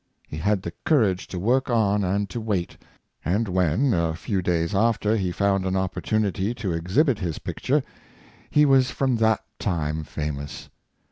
He had the courage to work on and to wait; and when, a few days after, he found an opportunity to exhibit his picture, he was from that time famous.